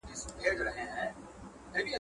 د قاتل کورنۍ ته بايد د بښنې لاره هواره کړئ.